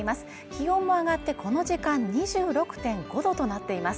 気温も上がってこの時間２６．５度となっています